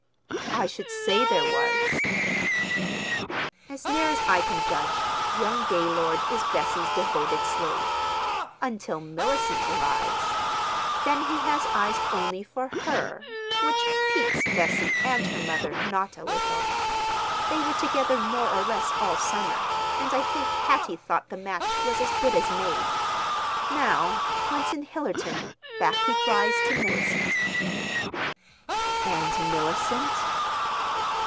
"I should say there was!" "As near as I can judge, young Gaylord is Bessie's devoted slave—until Mellicent arrives; then he has eyes only for her, which piques Bessie and her mother not a little. They were together more or less all summer and I think Hattie thought the match was as good as made. Now, once in Hillerton, back he flies to Mellicent." "And—Mellicent?"